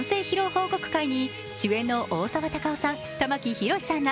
報告会に主演の大沢たかおさん、玉木宏さんら